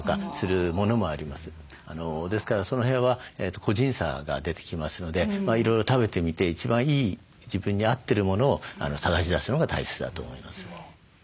ですからその辺は個人差が出てきますのでいろいろ食べてみて一番いい自分に合ってるものを探し出すのが大切だと思います。